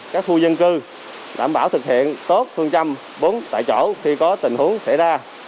các khu dân cư đảm bảo thực hiện tốt phương châm bốn tại chỗ khi có tình huống xảy ra